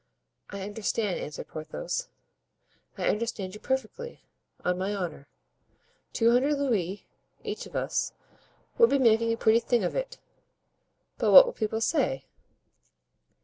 "I understand," answered Porthos, "I understand you perfectly, on my honor; two hundred louis, each of us, would be making a pretty thing of it; but what will people say?"